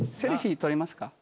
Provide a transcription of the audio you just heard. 撮りますか？